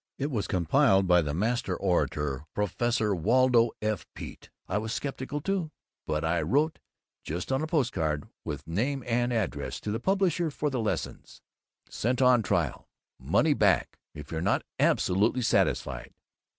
It was compiled by the Master Orator, Prof. Waldo F. Peet. I was skeptical, too, but I wrote (just on a postcard, with name and address) to the publisher for the lessons sent On Trial, money back if you are not absolutely satisfied.